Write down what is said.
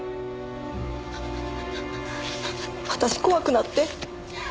私怖くなって。